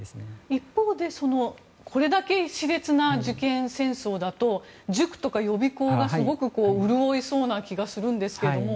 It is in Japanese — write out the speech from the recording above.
一方でこれだけ熾烈な受験戦争だと塾とか予備校がすごく潤いそうな気がするんですけども。